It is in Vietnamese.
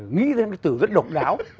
nghĩ ra những từ rất độc đáo